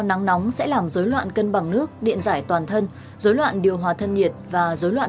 nắng nóng sẽ làm rối loạn cân bằng nước điện giải toàn thân rối loạn điều hòa thân nhiệt và rối loạn